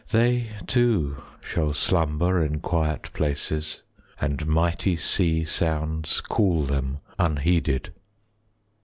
They too shall slumber In quiet places, 30 And mighty sea sounds Call them unheeded.